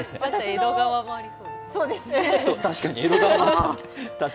江戸川区もありそう。